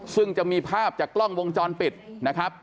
ซึ่งจะมีภาพจากกล้องวงจรปิดนะครับ